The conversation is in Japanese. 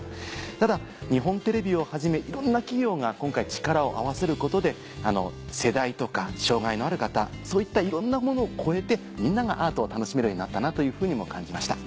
ただ日本テレビをはじめいろんな企業が今回力を合わせることで世代とか障がいのある方そういったいろんなものを超えてみんながアートを楽しめるようになったなというふうにも感じました。